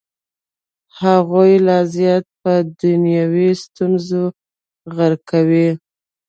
هغوی لا زیات په دنیوي ستونزو غرقوي.